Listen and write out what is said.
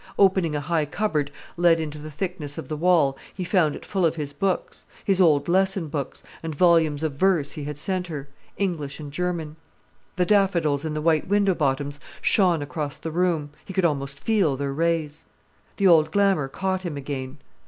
Opening a high cupboard let into the thickness of the wall, he found it full of his books, his old lesson books, and volumes of verse he had sent her, English and German. The daffodils in the white window bottoms shone across the room, he could almost feel their rays. The old glamour caught him again.